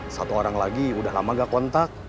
satu orang lagi udah lama gak kontak